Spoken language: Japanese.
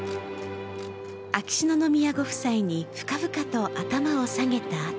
秋篠宮ご夫妻に深々と頭を下げたあと